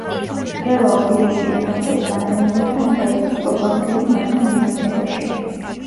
ყველა ობიექტი ემსახურება ადამიანს და უნდა იყოს პროპორციული მასთან მიმართებაში.